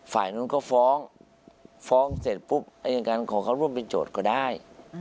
ฝ่ายนู้นก็ฟ้องฟ้องเสร็จปุ๊บอายการขอเขาร่วมเป็นโจทย์ก็ได้